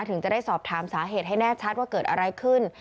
ถึงจะได้สอบถามสาเหตุให้แน่ชัดว่าเกิดอะไรขึ้น